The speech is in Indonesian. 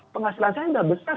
penghasilan saya udah besar